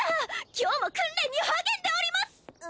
今日も訓練に励んでおります！